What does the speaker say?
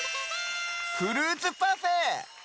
フルーツパフェ！